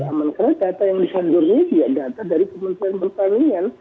karena data yang disanjurnya dia data dari kementerian pertanian